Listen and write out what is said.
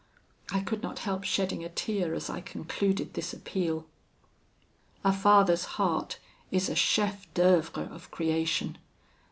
I could not help shedding a tear as I concluded this appeal. "A father's heart is a chef d'oeuvre of creation.